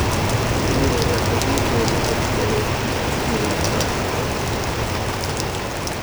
Mehrere Versuche, die Außenstelle zu kontaktieren, bleiben erfolglos.